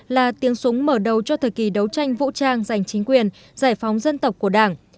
là tiếng súng mở đầu cho thời kỳ đấu tranh vũ trang giành chính quyền giải phóng dân tộc của đảng